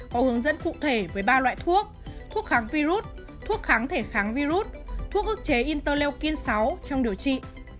có hướng dẫn cụ thể với ba loại thuốc thuốc kháng virus thuốc kháng thể kháng virus thuốc ức chế interleukin sáu trong điều trị